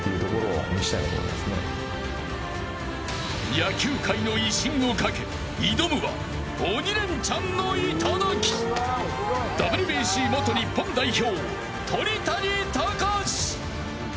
野球界の威信を懸け挑むは鬼レンチャンの頂ＷＢＣ元日本代表、鳥谷敬。